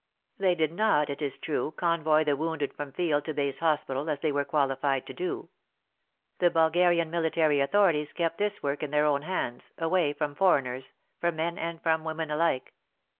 They did not, it is true, convoy the wounded from field to base hospital, as they were qualified to do. The Bulgarian military authorities kept this work in their own hands, away from foreigners — from men and from women alike.